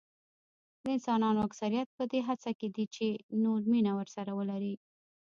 د انسانانو اکثریت په دې هڅه کې دي چې نور مینه ورسره ولري.